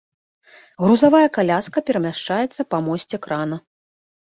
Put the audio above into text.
Грузавая каляска перамяшчаецца па мосце крана.